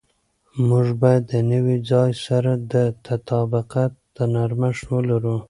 موږ باید د نوي ځای سره د تطابق نرمښت ولرو.